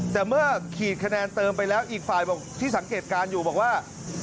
แต่เมื่อขีดคะแนนเติมไปแล้วอีกฝ่ายบอกที่สังเกตการณ์อยู่บอกว่า